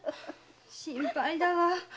心配だわ。